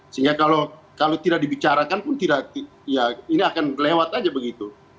sehingga kalau tidak dibicarakan pun tidak ya ini akan lewat aja begitu